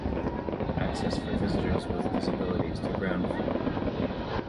Access for visitors with disabilities to ground floor.